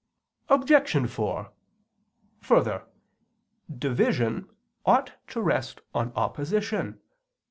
Obj. 4: Further, division ought to rest on opposition.